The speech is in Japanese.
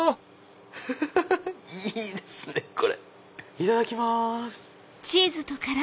いただきます。